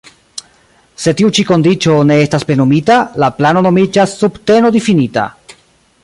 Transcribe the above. Se tiu ĉi kondiĉo ne estas plenumita, la plano nomiĝas "subteno-difinita".